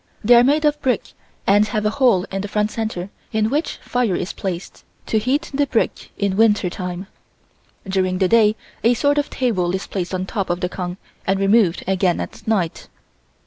They are made of brick and have a hole in the front center in which fire is placed to heat the brick in winter time. During the day a sort of table is placed on top of the kong and removed again at night.